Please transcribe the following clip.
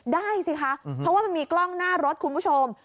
ได้สิคะเพราะว่ามันมีกล้องหน้ารถคุณผู้ชม